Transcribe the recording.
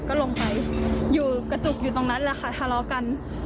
ก็ลงไปอยู่กระจุกอยู่ตรงนั้นแหละค่ะทะเลาะกัน